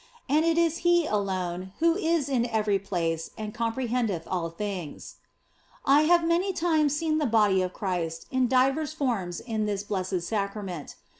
And it is He alone who is in every place and comprehendeth all things. I have many times seen the Body of Christ in divers forms in this Blessed Sacrament.